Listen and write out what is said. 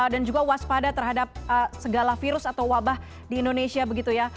dan juga waspada terhadap segala virus atau wabah di indonesia begitu ya